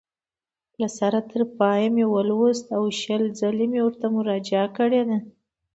له سره تر پایه مې ولوست او شل ځله مې ورته مراجعه کړې ده.